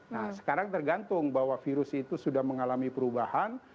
nah sekarang tergantung bahwa virus itu sudah mengalami perubahan